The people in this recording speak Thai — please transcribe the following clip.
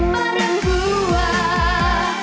ประดับรู้ว่า